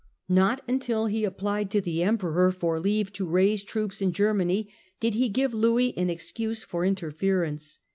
Not until he ap plied to the Emperor for leave to raise troops in Germany did he give Louis an excuse for interference.